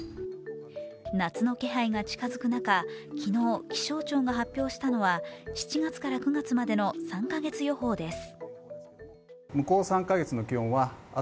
夏の気配が近づく中、昨日気象庁が発表したのは７月から９月までの３か月予報です。